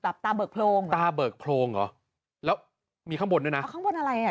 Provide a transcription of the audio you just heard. ตาเบิกโพรงตาเบิกโพรงเหรอแล้วมีข้างบนด้วยนะอ๋อข้างบนอะไรอ่ะ